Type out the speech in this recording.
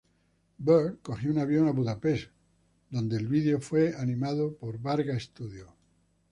Bird cogió un avión a Budapest, donde el vídeo fue animado por Varga Studio.